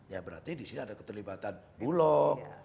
ya berarti di sini ada keterlibatan bulog